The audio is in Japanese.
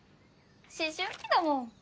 思春期だもん。